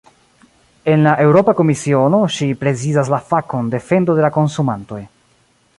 En la Eŭropa Komisiono, ŝi prezidas la fakon "defendo de la konsumantoj".